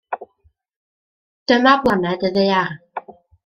Dyma blaned y Ddaear.